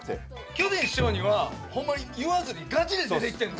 巨人師匠にはほんまに言わずにガチで出てきてんの？